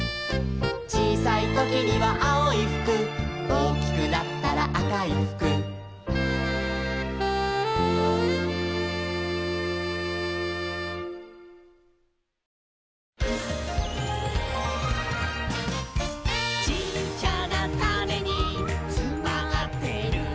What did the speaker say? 「ちいさいときにはあおいふく」「おおきくなったらあかいふく」「ちっちゃなタネにつまってるんだ」